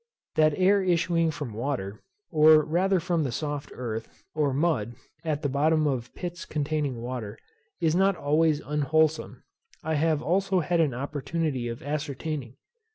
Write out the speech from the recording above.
That air issuing from water, or rather from the soft earth, or mud, at the bottom of pits containing water, is not always unwholesome, I have also had an opportunity of ascertaining.